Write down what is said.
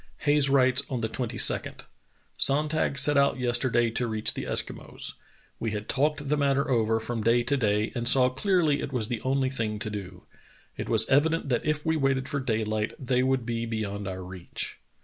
Hayes writes on the 22d: "Sonntag set out yesterday to reach the Eskimos. We had talked the matter over from day to day, and saw clearly it was the only thing to do. It was evident that if we waited for daylight they would be beyond our reach."